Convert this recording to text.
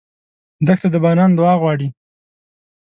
دښته د باران دعا غواړي.